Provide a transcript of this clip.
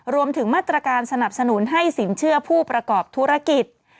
รวมถึงมาตรการสนับสนุนให้สินเชื่อผู้ประกอบธุรกิจ